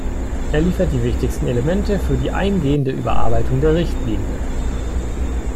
Er liefert die wichtigsten Elemente für die eingehende Überarbeitung der Richtlinie.